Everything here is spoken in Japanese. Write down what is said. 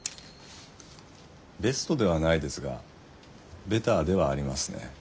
ベストではないですがベターではありますね。